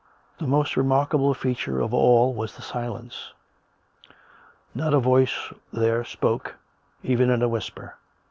The most remarkable feature of all was the silence. Not a voice there spoke, even in a whisper.